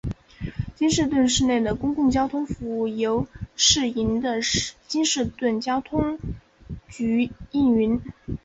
京士顿市内的公共交通服务由市营的京士顿交通局营运。